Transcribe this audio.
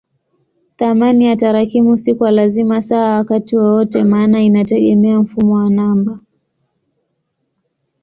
Thamani ya tarakimu si kwa lazima sawa wakati wowote maana inategemea mfumo wa namba.